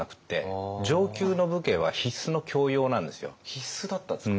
必須だったんですか。